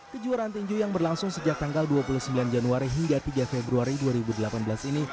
kejuaraan tinju yang berlangsung sejak tanggal dua puluh sembilan januari hingga tiga februari dua ribu delapan belas ini